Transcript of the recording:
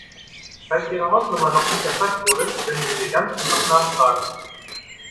Falls Ihre Hausnummer noch nicht erfasst wurde, können Sie sie ganz einfach nachtragen.